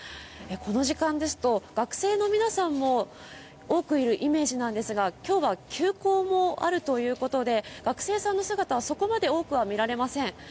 この時間ですと学生の皆さんも多くいるイメージなんですが、今日は休校もあるということで、学生さんの姿はそこまで多くは見られません。